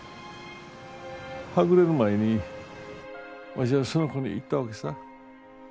はぐれる前にわしはその子に言ったわけさ。